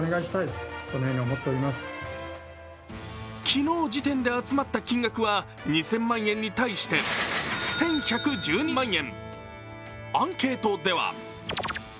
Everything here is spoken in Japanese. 昨日時点で集まった金額は２０００万円に対して１１１２万円。